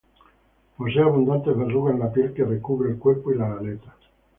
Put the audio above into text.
Posee abundantes verrugas en la piel que recubre el cuerpo y las aletas.